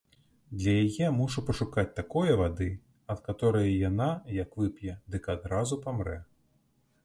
Для яе мушу пашукаць такое вады, ад каторае яна, як вып'е, дык адразу памрэ.